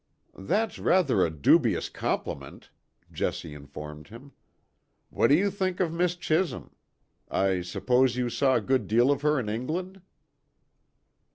"That's rather a dubious compliment," Jessie informed him. "What do you think of Miss Chisholm? I suppose you saw a good deal of her in England?"